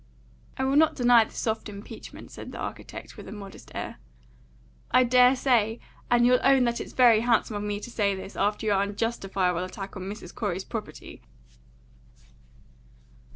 "I will not deny the soft impeachment," said the architect, with a modest air. "I dare say. And you'll own that it's very handsome of me to say this, after your unjustifiable attack on Mrs. Corey's property."